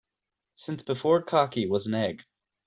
Since before cocky was an egg.